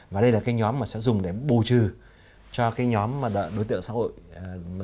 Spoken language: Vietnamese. và đây là cái nhóm mà sẽ dùng để bù trừ cho cái nhóm đối tượng xã hội